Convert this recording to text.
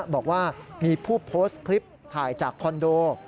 บอกว่ามีผู้โพสต์คลิปถ่ายจากคอนโด